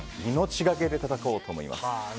命がけで戦おうと思います。